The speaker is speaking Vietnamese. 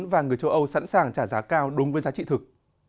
và người châu âu sẵn sàng trả giá cao đúng với giá trị thực